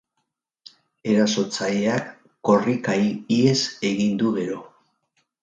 Erasotzaileak korrika ihes egin du gero.